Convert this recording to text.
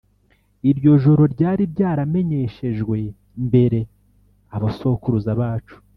Iryo joro ryari ryaramenyeshejwe mbere abasokuruza bacu,